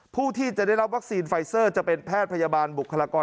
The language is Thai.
ผู้ที่จะได้รับวัคซีนไฟเซอร์จะเป็นแพทย์พยาบาลบุคลากร